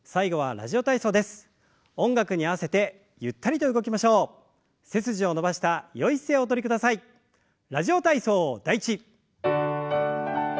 「ラジオ体操第１」。